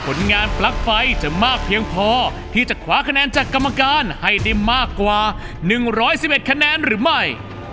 ผลงานปลั๊กไฟจะมากเพียงพอที่จะคว้าคะแนนจากกรรมการให้ได้มากกว่า๑๑๑คะแนนหรือไม่